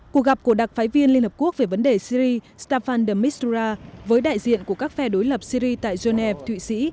cuộc gặp của đặc phái viên liên hợp quốc về vấn đề syri staffan de mistrora với đại diện của các phe đối lập syri tại geneva thụy sĩ